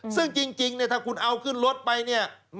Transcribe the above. ซึ่งจริงถ้าคุณเอาขึ้นรถไป